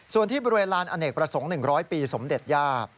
ส่วนที่บริเวณลานอเนกประสงค์๑๐๐ปีสมเด็จย่า